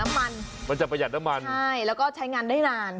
มันจะประหยัดน้ำมันใช่แล้วก็ใช้งานได้นาน